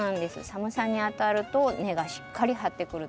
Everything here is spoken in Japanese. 寒さにあたると根がしっかり張ってくる。